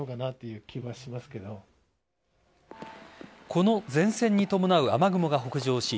この前線に伴う雨雲が北上し